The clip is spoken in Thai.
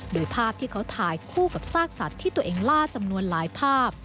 โดยภาพที่เขาถ่ายคู่กับซากสัตว์ที่ตัวเองล่าจำนวนหลายภาพ